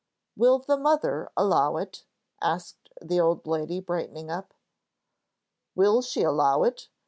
"Will the mother allow it?" asked the old lady, brightening up. "Will she allow it?